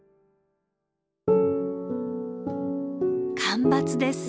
干ばつです。